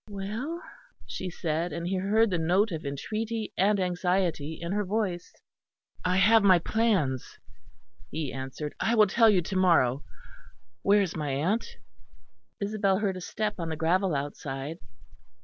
"Well?" she said; and he heard the note of entreaty and anxiety in her voice. "I have my plans," he answered; "I will tell you to morrow. Where is my aunt?" Isabel heard a step on the gravel outside.